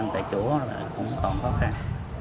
tại chỗ là cũng còn khó khăn